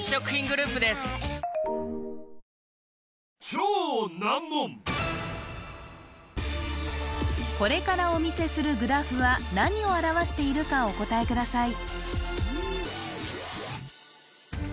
こちらこれからお見せするグラフは何を表しているかお答えください